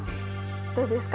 どうですか？